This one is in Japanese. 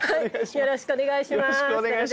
よろしくお願いします。